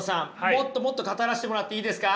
もっともっと語らせてもらっていいですか。